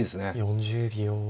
４０秒。